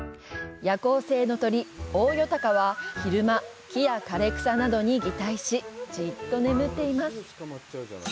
夜行性の鳥、オオヨタカは昼間、木や枯れ草などに擬態しじっと眠っています。